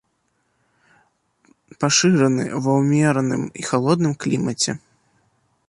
Пашыраны ва ўмераным і халодным клімаце.